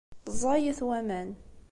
Ẓẓayit waman.